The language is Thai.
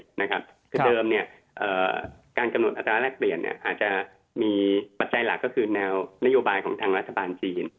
คือเดิมการกำหนดอัตราแรกเปลี่ยนอาจจะมีปัจจัยหลักก็คือแนวนโยบายของทางรัฐบาลจีน